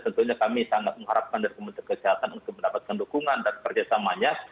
tentunya kami sangat mengharapkan dari kementerian kesehatan untuk mendapatkan dukungan dan kerjasamanya